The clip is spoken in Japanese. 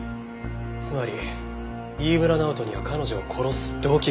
つまり飯村直人には彼女を殺す動機がある。